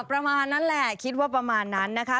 ประมาณนั้นแหละคิดว่าประมาณนั้นนะคะ